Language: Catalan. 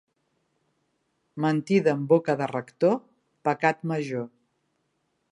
Mentida en boca de rector, pecat major.